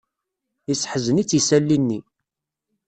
Yesseḥzen-itt yisalli-nni.